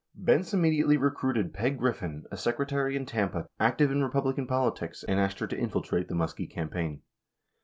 48 Benz immediately recruited Peg Griffin, a secretary in Tampa, active in Republican politics, and asked her to infiltrate the Muskie campaign.